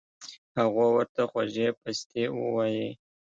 هغو ورته خوږې پستې اووائي